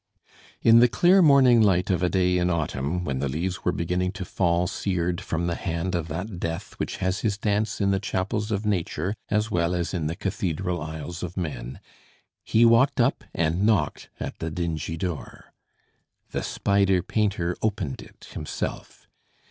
In the clear morning light of a day in autumn, when the leaves were beginning to fall seared from the hand of that Death which has his dance in the chapels of nature as well as in the cathedral aisles of men he walked up and knocked at the dingy door. The spider painter opened it himself.